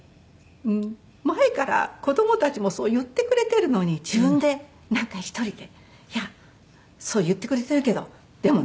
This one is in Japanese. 前から子供たちもそう言ってくれてるのに自分で１人で「いやそう言ってくれてるけどでもね」っていう。